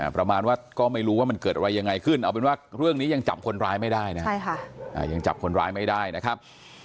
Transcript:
ประมาณว่าก็ไม่รู้ว่ามันเกิดอะไรยังไงขึ้นเอาเป็นว่าเรื่องนี้ยังจับคนร้ายไม่ได้นะครับยังจับคนร้ายไม่ได้นะครับ